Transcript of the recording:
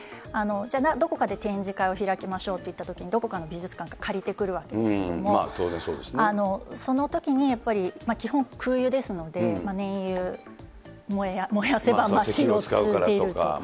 じゃあ、どこかで展示会を開きましょうといったときに、どこかの美術館から借りてくるわけですけれども、そのときにやっぱり基本、空輸ですので、燃油、燃やせばＣＯ２出るとか。